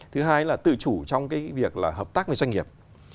thứ hai là tự chủ trong việc hợp tác với doanh nghiệp